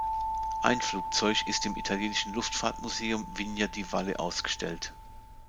Ein Flugzeug ist im italienischen Luftfahrtmuseum Vigna di Valle ausgestellt.